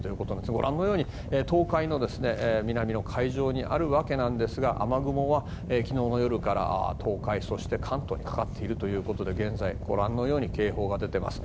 ご覧のように東海の南の海上にあるわけですが雨雲は昨日の夜から東海、そして関東にかかっているということで現在、ご覧のように警報が出ています。